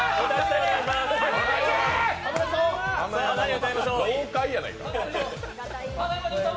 何を歌いましょう？